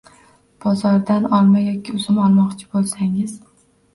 Bozordan olma yoki uzum olmoqchi bo‘lsangiz